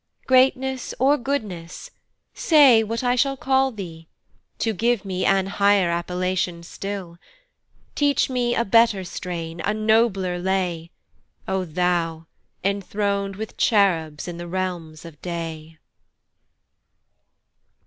Greatness, or Goodness, say what I shall call thee, To give me an higher appellation still, Teach me a better strain, a nobler lay, O thou, enthron'd with Cherubs in the realms of day.